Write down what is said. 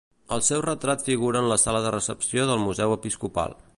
El seu retrat figura en la sala de recepció del Museu Episcopal.